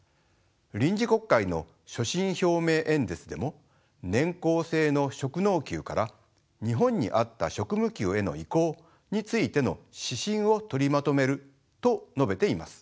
臨時国会の所信表明演説でも年功制の職能給から日本に合った職務給への移行についての指針を取りまとめると述べています。